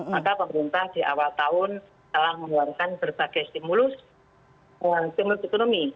maka pemerintah di awal tahun telah mengeluarkan berbagai stimulus stimulus ekonomi